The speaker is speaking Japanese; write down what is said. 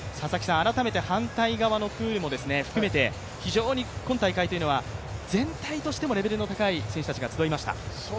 改めて反対側のプールも含めて、非常に今大会は全体としてもレベルの高い選手たちが集いました。